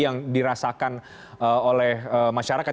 yang dirasakan oleh masyarakat